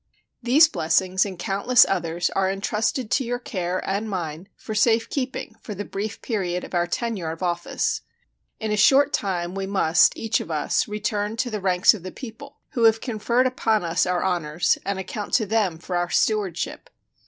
These blessings and countless others are intrusted to your care and mine for safe keeping for the brief period of our tenure of office. In a short time we must, each of us, return to the ranks of the people, who have conferred upon us our honors, and account to them for our stewardship.